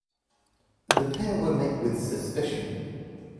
The pair were met with suspicion.